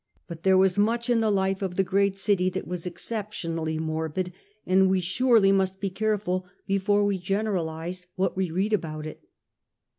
But there was much in the life of the great city that was 2I6 The Earlier Empire. exceptionally morbid, and we surely must be careful before we generalize what we read about it.